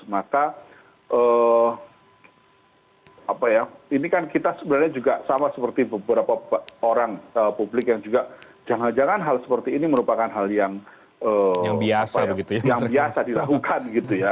maka ini kan kita sebenarnya juga sama seperti beberapa orang publik yang juga jangan jangan hal seperti ini merupakan hal yang biasa dilakukan gitu ya